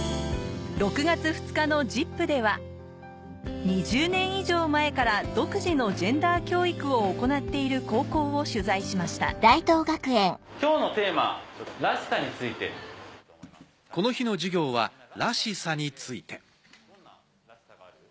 ６月２日の『ＺＩＰ！』では２０年以上前から独自のジェンダー教育を行っている高校を取材しましたこの日の授業は「らしさ」について。